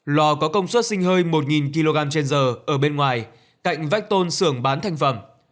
lò có công suất sinh hơi một kg trên giờ ở bên ngoài cạnh vách tôn sưởng bán thành phẩm